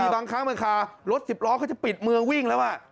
บางครั้งรถสิบล้อเขาจะปิดเมืองวิ่งแล้วอ่ะ